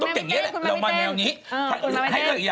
คุณแม่เฮ่อเลย